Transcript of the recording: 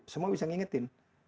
semua bisa mengingatkan